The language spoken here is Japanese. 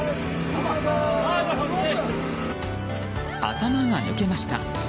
頭が抜けました！